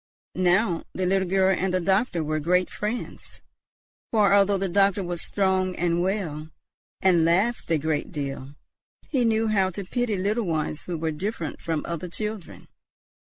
Now the little girl and the doctor were great friends; for although the doctor was strong and well, and laughed a great deal, he knew how to pity little ones who were different from other children.